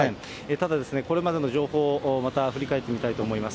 ただですね、これまでの情報をまた振り返ってみたいと思います。